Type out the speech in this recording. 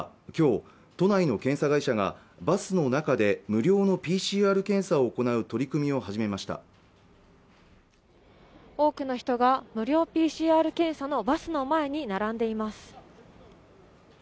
今日、都内の検査会社がバスの中で無料のＰＣＲ検査を行う取り組みを始めました多くの人が無料ＰＣＲ検査のバスの前に並んでいます